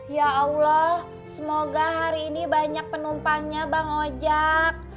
ya allah semoga hari ini banyak penumpangnya bang ojek